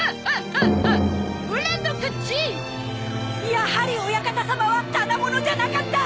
やはりお館様はただ者じゃなかった！